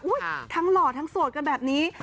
อุ๊ยทั้งหล่อทั้งสวดกันแบบนี้